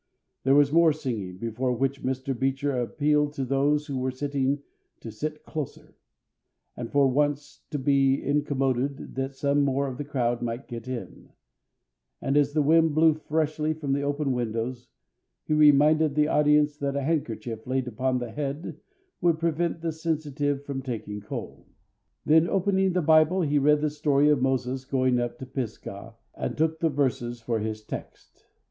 There was more singing, before which Mr. Beecher appealed to those who were sitting to sit closer, and for once to be incommoded that some more of the crowd might get in; and as the wind blew freshly from the open windows, he reminded the audience that a handkerchief laid upon the head would prevent the sensitive from taking cold. Then opening the Bible he read the story of Moses going up to Pisgah, and took the verses for his text.